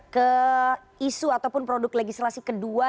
ke isu ataupun produk legislasi kedua